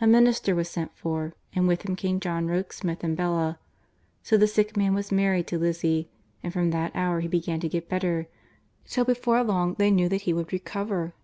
A minister was sent for, and with him came John Rokesmith and Bella. So the sick man was married to Lizzie, and from that hour he began to get better, till before long they knew that he would recover.